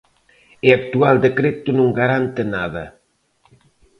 E actual decreto non garante nada.